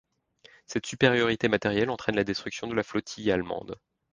Cette supériorité matérielle entraîne la destruction de la flottille allemande.